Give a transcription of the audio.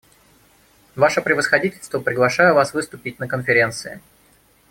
Ваше превосходительство, приглашаю вас выступить на Конференции.